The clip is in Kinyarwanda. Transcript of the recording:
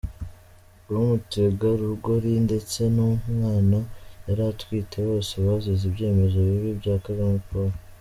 Uwo mutegarugori, ndetse n’umwana yari atwite, bose bazize ibyemezo bibi bya Kagame Paul.